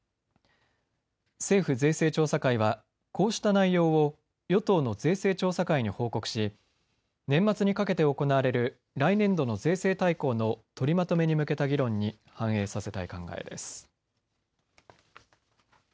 政府税制調査会はこうした内容を与党の税制調査会に報告し、年末にかけて行われる来年度の税制大綱の取りまとめに向けた議論に反映させたい考えです。